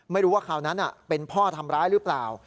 ไม่รู้ว่าคราวนั้นเป็นพ่อทำร้ายหรือเปล่า